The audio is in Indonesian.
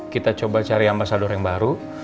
kita coba cari ambasador yang baru